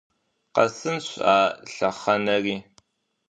Къэсынщ а лъэхъэнэри!